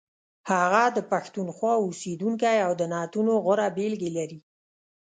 هغه د پښتونخوا اوسیدونکی او د نعتونو غوره بېلګې لري.